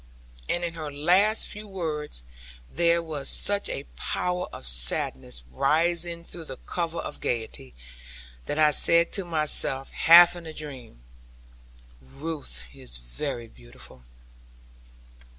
And in her last few words there was such a power of sadness rising through the cover of gaiety, that I said to myself, half in a dream, 'Ruth is very beautiful.'